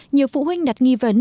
nhiều phụ huynh đặt nghi vấn